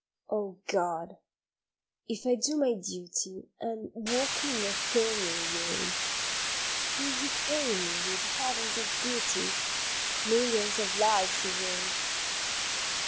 OH God! if I do my duty And walk in the thorny way, Will you pay me with heavens of beauty, Millions of lives away?